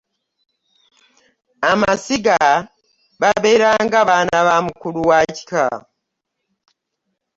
Amasiga babeera nga baana ba mukulu wa kika.